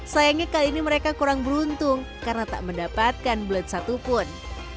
sayangnya kali ini mereka kurang beruntung karena tak mendapatkan belet satupun